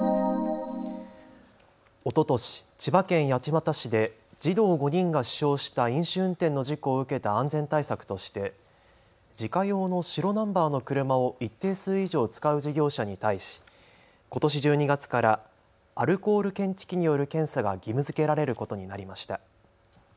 おととし、千葉県八街市で児童５人が死傷した飲酒運転の事故を受けた安全対策として自家用の白ナンバーの車を一定数以上使う事業者に対しことし１２月からアルコール検知器による検査が義務づけられることになりました。